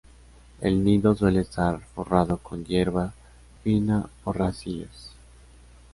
El nido suele estar forrado con hierba fina o raicillas.